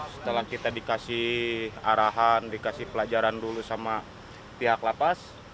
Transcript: setelah kita dikasih arahan dikasih pelajaran dulu sama pihak lapas